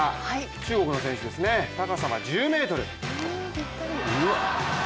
中国の選手ですね、高さは１０ｍ。